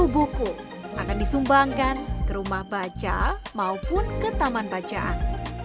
sepuluh buku akan disumbangkan ke rumah baca maupun ke taman bacaan